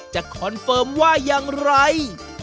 จะคอนเฟิร์มว่ายังไง